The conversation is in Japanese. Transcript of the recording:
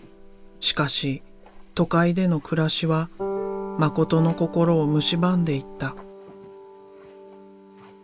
しかし都会での暮らしは誠の心をむしばんでいった。